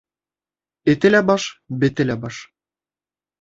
Эте лә баш, бете лә баш.